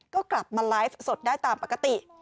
ก็กลับมาไลฟ์สดได้ตามปกติ